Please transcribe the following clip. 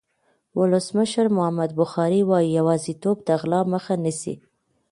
ولسمشر محمد بخاري وایي یوازېتوب د غلا مخه نیسي.